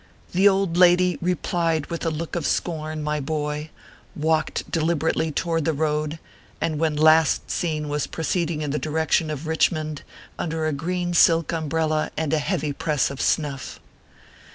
The old lady replied with a look of scorn, my boy, walked deliberately toward the road, and when last seen was proceeding in the direction of Kichmond under a green silk umbrella and a heavy press of snuff.